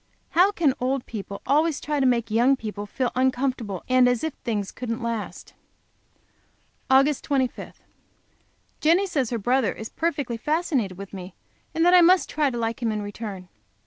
How can old people always try to make young people feel uncomfortable, and as if things couldn't last? Aug. 25. Jenny says her brother is perfectly fascinated with me, and that I must try to like him in return.